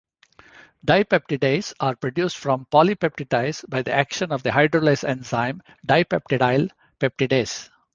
Dipeptides are produced from polypeptides by the action of the hydrolase enzyme dipeptidyl peptidase.